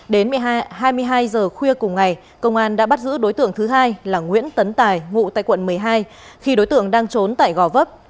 đến hai mươi hai h khuya cùng ngày công an đã bắt giữ đối tượng thứ hai là nguyễn tấn tài ngụ tại quận một mươi hai khi đối tượng đang trốn tại gò vấp